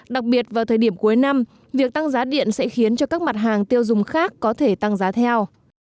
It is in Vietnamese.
đặc biệt vào thời điểm cuối năm việc tăng giá điện sẽ khiến cho các mặt hàng tiêu dùng khác có thể tăng giá theo